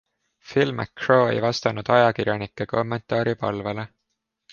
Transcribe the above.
Phil McGraw ei vastanud ajakirjanike kommentaaripalvele.